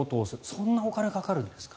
そんなにお金がかかるんですか。